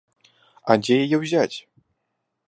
А дзе яе ўзяць?